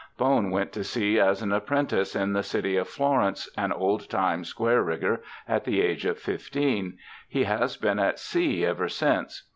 Bone went to sea as an apprentice in the City of Florence, an old time square rigger, at the age of fifteen; he has been at sea ever since.